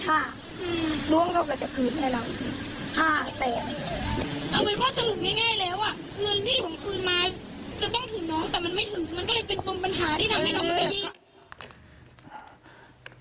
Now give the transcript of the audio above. แต่มันไม่ถึงมันก็เลยเป็นต้นปัญหาที่ทำให้น้องมันไปยิง